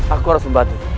aku harus membantu